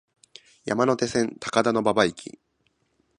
山手線、高田馬場駅